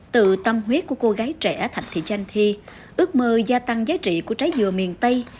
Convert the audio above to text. từ tâm huyết của cô gái trẻ thạch thị chanh thi ước mơ gia tăng giá trị của trái dừa miền tây